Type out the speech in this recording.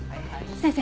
先生